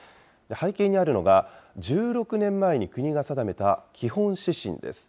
背景にあるのが、１６年前に国が定めた基本指針です。